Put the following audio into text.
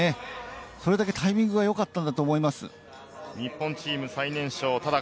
それだけタイミングがよかったんだと思います。